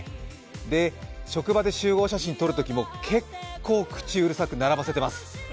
で、職場で集合写真撮るときも結構、口うるさく並ばせてます。